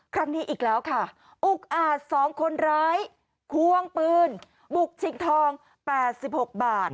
ครั้งนี้อีกแล้วค่ะอุกอาจ๒คนร้ายควงปืนบุกชิงทอง๘๖บาท